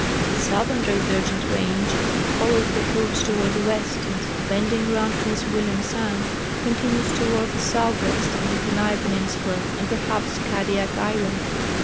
The southern divergent range follows the coast toward the west and, bending round Prince William sound, continues toward the southwest in the Kenai j^eninsula and perhaps Kadiak island.